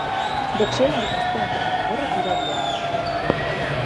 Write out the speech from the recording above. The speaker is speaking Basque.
Boxeolari gazteak eta gogorrak dira biak.